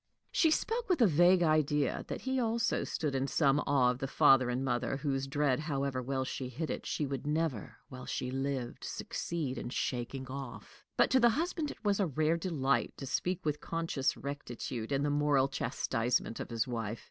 She spoke with a vague idea that he also stood in some awe of the father and mother whose dread, however well she hid it, she would never, while she lived, succeed in shaking off. But to the husband it was a rare delight to speak with conscious rectitude in the moral chastisement of his wife.